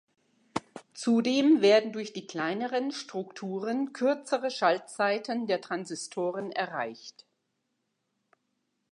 Zudem werden durch die kleineren Strukturen kürzere Schaltzeiten der Transistoren erreicht.